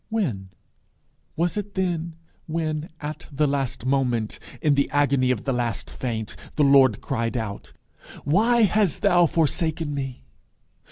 When? Was it then, when at the last moment, in the agony of the last faint, the Lord cried out, "Why hast thou forsaken me?"